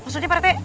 maksudnya pak rt